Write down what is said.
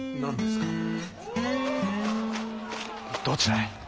どちらへ？